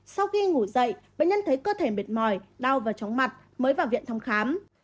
sau khi ngủ dậy bệnh nhân thấy cơ thể mệt mỏi đau và chóng mặt mới vào viện thăm khám